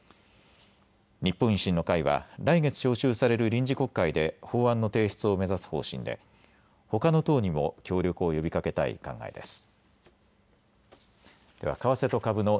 日本維新の会は来月召集される臨時国会で法案の提出を目指す方針で、ほかの党にも協力を呼びかけたい考えです。